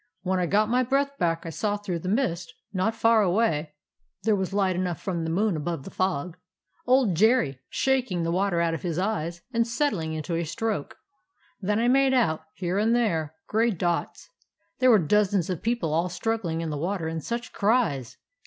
When I got my breath back I saw through the mist, not far away (there was light enough from the moon above the fog), old Jerry, shaking the water out of his eyes, and settling into a stroke. Then I made out, here and there, gray dots. There were dozens of people all struggling in the water, and such cries!